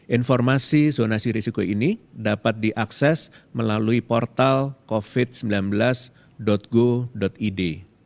informasi zonasi risiko ini dapat diakses melalui portal covid sembilan belas go id